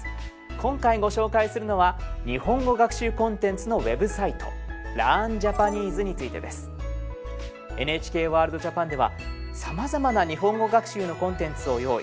今回ご紹介するのは日本語学習コンテンツのウェブサイト「ＬｅａｒｎＪａｐａｎｅｓｅ」についてです。ＮＨＫワールドＪＡＰＡＮではさまざまな日本語学習のコンテンツを用意。